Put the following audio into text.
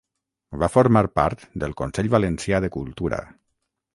Va formar part del Consell Valencià de Cultura.